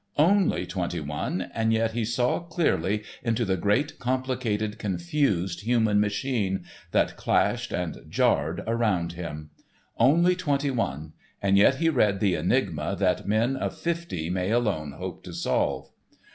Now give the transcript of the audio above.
Only twenty one, and yet he saw clearly into the great, complicated, confused human machine that clashed and jarred around him. Only twenty one, and yet he read the enigma that men of fifty may alone hope to solve!